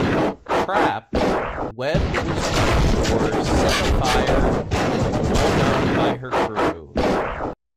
Trapped, Webb was run ashore, set afire, and blown up by her crew.